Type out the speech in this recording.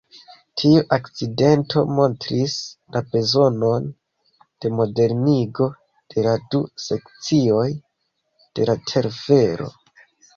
Tiu akcidento montris la bezonon de modernigo de la du sekcioj de la telfero.